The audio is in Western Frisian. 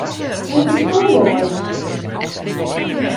Wêr komsto wei?